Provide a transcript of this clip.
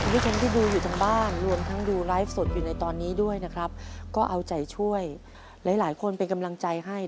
คุณผู้ชมที่ดูอยู่ทางบ้านรวมทั้งดูไลฟ์สดอยู่ในตอนนี้ด้วยนะครับก็เอาใจช่วยหลายหลายคนเป็นกำลังใจให้